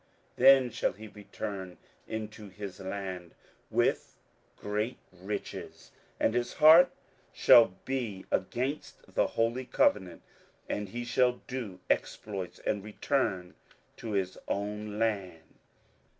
27:011:028 Then shall he return into his land with great riches; and his heart shall be against the holy covenant; and he shall do exploits, and return to his own land.